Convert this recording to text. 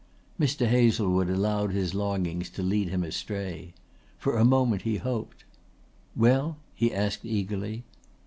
Mr. Hazlewood allowed his longings to lead him astray. For a moment he hoped. "Well?" he asked eagerly.